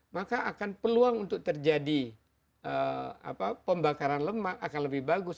maka akan peluang untuk terjadi pembakaran lemak akan lebih bagus